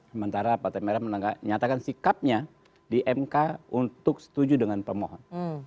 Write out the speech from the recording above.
sementara partai merah menyatakan sikapnya di mk untuk setuju dengan pemohon